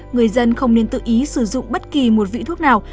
người dân không nên tự ý sử dụng bất kỳ một vĩ thuốc nào